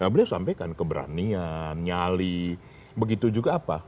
beliau sampaikan keberanian nyali begitu juga apa